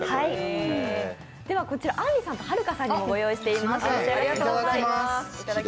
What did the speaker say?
こちら、あんりさんとはるかさんにもご用意しています。